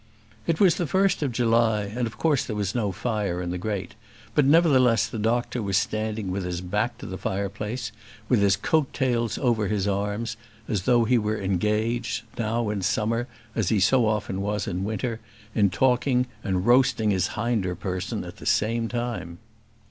It was the first of July, and of course there was no fire in the grate; but, nevertheless, the doctor was standing with his back to the fireplace, with his coat tails over his arms, as though he were engaged, now in summer as he so often was in winter, in talking, and roasting his hinder person at the same time.